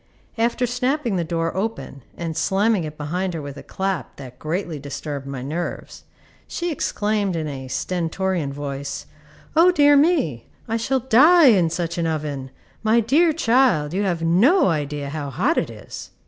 After snapping the door open and slamming it behind her with a clap that greatly disturbed my nerves, she exclaimed in a stentorian voice, "O dear me! I shall die in such an oven! My dear child, you have no idea how hot it is!"